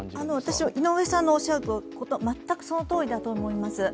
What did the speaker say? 私は井上さんのおっしゃることは、全くそのとおりだと思います。